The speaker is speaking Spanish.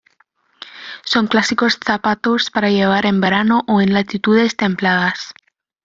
Son clásicos zapatos para llevar en verano o en latitudes templadas.